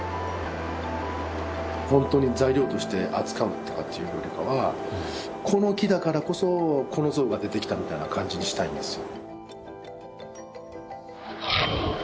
ほんとに材料として扱うとかっていうよりかはこの木だからこそこの像が出てきたみたいな感じにしたいんですよ。